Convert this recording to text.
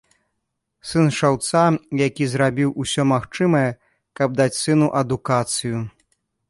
Сын шаўца, які зрабіў усё магчымае, каб даць сыну адукацыю.